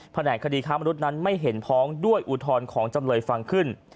แหนกคดีค้ามนุษย์นั้นไม่เห็นพ้องด้วยอุทธรณ์ของจำเลยฟังขึ้น